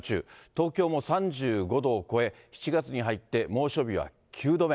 東京も３５度を超え、７月に入って猛暑日は９度目。